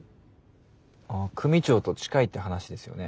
組長と近いって話ですよね。